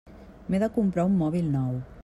M'he de comprar un mòbil nou.